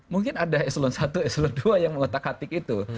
mungkin ada eselon satu eselon dua yang mengotak hatik itu